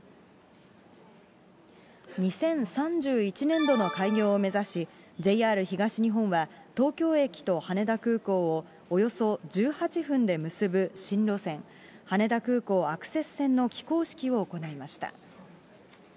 ２０３１年度の開業を目指し、ＪＲ東日本は東京駅と羽田空港をおよそ１８分で結ぶ新路線、羽田空港アクセス線の起工式を行いました。